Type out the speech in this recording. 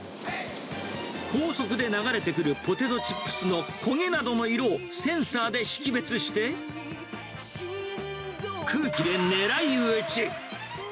高速で流れてくるポテトチップスの焦げなどの色をセンサーで識別して、空気で狙い撃ち。